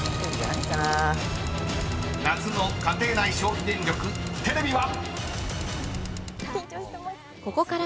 ［夏の家庭内消費電力テレビは⁉］